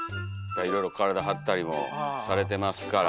いろいろ体張ったりもされてますから。